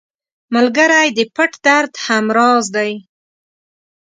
ملګری د پټ درد هم راز دی